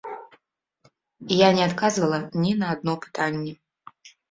Я не адказвала ні на адно пытанне.